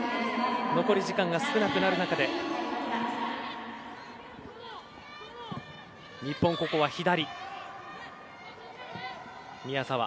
残り時間が少なくなる中で日本、ここは左。